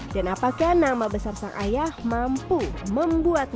dan apakah nama besar sang ayah mampu membuatnya